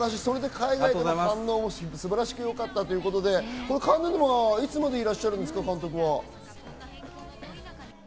海外の反応も素晴らしくよかったということで、カンヌにはいつまでいらっしゃるんです？